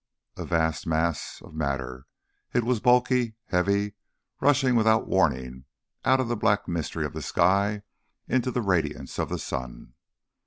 A vast mass of matter it was, bulky, heavy, rushing without warning out of the black mystery of the sky into the radiance of the sun.